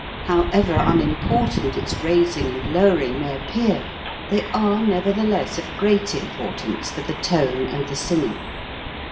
However unimportant its raising and lowering may appear, they are nevertheless of great impor tance for the tone and the singer.